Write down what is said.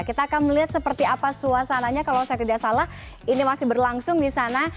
kita akan melihat seperti apa suasananya kalau saya tidak salah ini masih berlangsung di sana